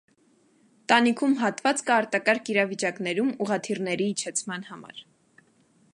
Տանիքում հատված կա արտակարգ իրավիճաներում ուղղաթիռների իջեցման համար։